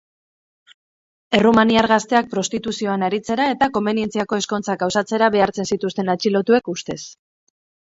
Errumaniar gazteak prostituzioan aritzera eta komenientziako ezkontzak gauzatzera behartzen zituzten atxilotuek, ustez.